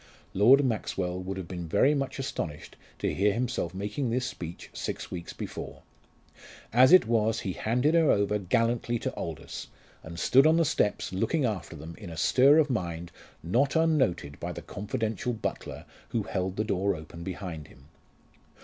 Lord Maxwell would have been very much astonished to hear himself making this speech six weeks before. As it was, he handed her over gallantly to Aldous, and stood on the steps looking after them in a stir of mind not unnoted by the confidential butler who held the door open behind him.